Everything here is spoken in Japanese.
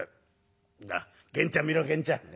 源ちゃん見ろ源ちゃん。